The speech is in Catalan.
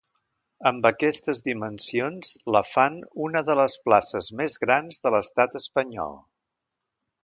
Amb aquestes dimensions la fan una de les places més grans de l'Estat Espanyol.